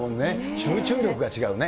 集中力が違うね。